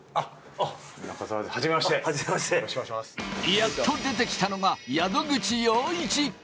やっと出てきたのが宿口陽一。